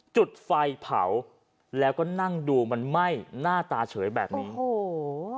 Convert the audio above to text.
จุดไฟเผาแล้วก็นั่งดูมันไหม้หน้าตาเฉยแบบนี้โอ้โห